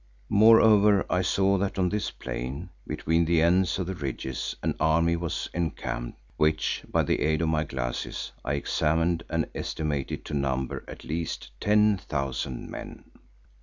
Moreover I saw that on this plain between the ends of the ridges an army was encamped which, by the aid of my glasses, I examined and estimated to number at least ten thousand men.